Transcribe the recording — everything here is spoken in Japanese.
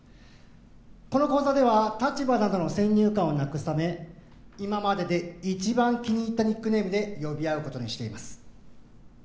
この講座では立場などの先入観をなくすため今までで一番気に入ったニックネームで呼び合うことにしています